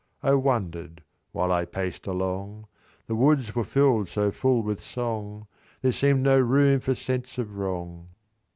I wonder'd, while I paced along: The woods were fill'd so full with song, There seem'd no room for sense of wrong.